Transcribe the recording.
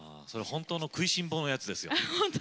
そりゃ本当の食いしん坊のやつですよ。